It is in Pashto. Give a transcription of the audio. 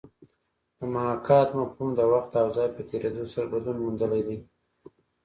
د محاکات مفهوم د وخت او ځای په تېرېدو سره بدلون موندلی دی